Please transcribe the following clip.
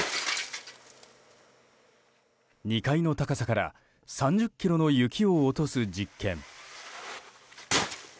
２階の高さから３０ｋｇの雪を落とす実験。